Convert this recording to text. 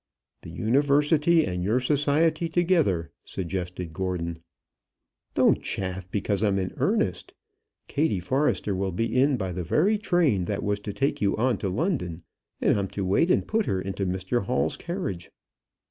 "The university and your society together," suggested Gordon. "Don't chaff, because I'm in earnest. Kattie Forrester will be in by the very train that was to take you on to London, and I'm to wait and put her into Mr Hall's carriage.